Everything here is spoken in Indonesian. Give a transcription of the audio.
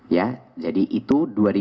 ya jadi itu dua ribu dua puluh satu